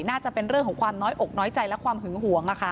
น่าจะเป็นเรื่องของความน้อยอกน้อยใจและความหึงหวง